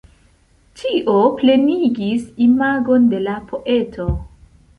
Tio plenigis imagon de la poeto.